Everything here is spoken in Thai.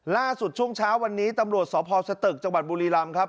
ช่วงเช้าวันนี้ตำรวจสพสตึกจังหวัดบุรีรำครับ